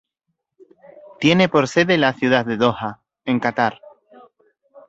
Tiene por sede la ciudad de Doha, en Catar.